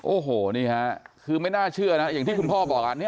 โอ้โหนี่ฮะคือไม่น่าเชื่อนะอย่างที่คุณพ่อบอก